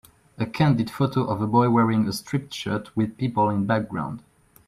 A candid photo of a boy wearing a striped shirt with people in background